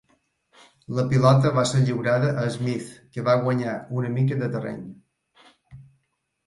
La pilota va ser lliurada a Smith, que va guanyar una mica de terreny.